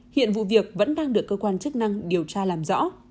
hiện vụ việc vẫn đang được cơ quan chức năng điều tra làm rõ